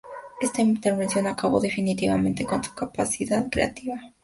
Esta intervención acabó definitivamente con su capacidad creativa.